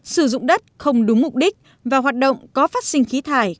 sử dụng đất không đúng mục đích và hoạt động có phát sinh khí thải